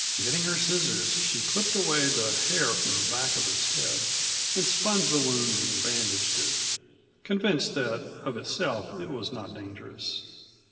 Getting her scissors she clipped away the hair from the back of his head and sponged the wound and bandaged it, convinced that of itself it was not dangerous.